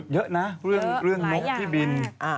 เยอะนะเรื่องนกที่บิน